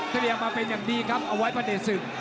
เตรียมมาเป็นอย่างดีครับเอาไว้ประเด็นศึก